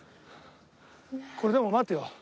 これでも待てよ。